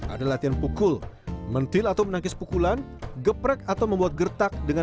ada latihan pukul mentil atau menangkis pukulan geprek atau membuat gertak dengan